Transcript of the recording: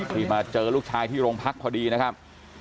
ที่มาเจอลูกชายที่โรงพักพอดีนะครับ